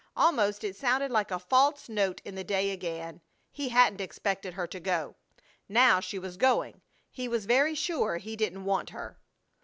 Almost it sounded like a false note in the day again. He hadn't expected her to go. Now she was going, he was very sure he didn't want her.